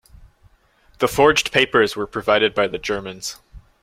The 'forged' papers were provided by the Germans.